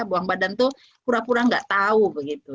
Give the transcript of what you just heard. buang badan itu pura pura nggak tahu begitu